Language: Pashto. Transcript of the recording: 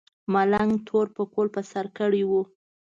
ملنګ تور پکول په سر کړی و.